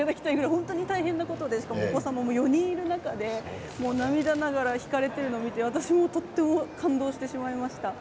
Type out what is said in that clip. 本当に大変なことでしかもお子様も４人いる中で涙ながら弾かれているのを見て私もとっても感動してしまいました。